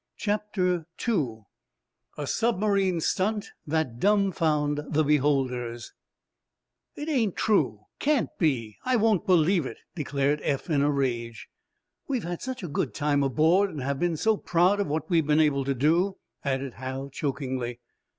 CHAPTER II A SUBMARINE STUNT THAT DUMFIOUND THE BEHOLDERS "It ain't true! Can't be! I won't believe it!" declared Eph, in a rage. "We've had such a good time aboard, and have been so proud of what we've been able to do," added Hal, chokingly.